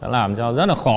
làm cho rất là khó